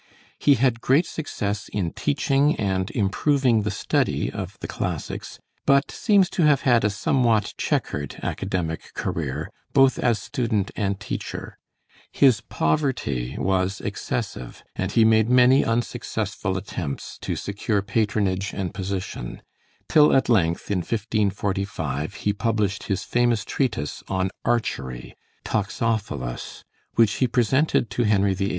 He had great success in teaching and improving the study of the classics; but seems to have had a somewhat checkered academic career, both as student and teacher. His poverty was excessive, and he made many unsuccessful attempts to secure patronage and position; till at length, in 1545, he published his famous treatise on Archery, 'Toxophilus,' which he presented to Henry VIII.